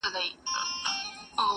مېلمانه یې د مرګي لوی ډاکټران کړل،